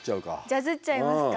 ジャズっちゃいますか。